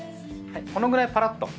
このくらいパラッと。